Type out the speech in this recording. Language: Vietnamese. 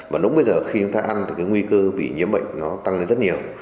và lúc bây giờ khi chúng ta ăn thì cái nguy cơ bị nhiễm bệnh nó tăng lên rất nhiều